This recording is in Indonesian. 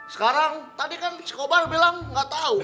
sekarang tadi kan si kobar bilang gak tahu